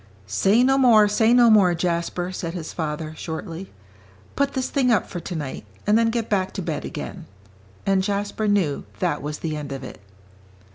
"Say no more, say no more, Jasper," said his father, shortly; "put this thing up for tonight, and then get back to bed again." And Jasper knew that was the end of it.